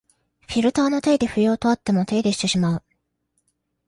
フィルターの手入れ不要とあっても手入れしてしまう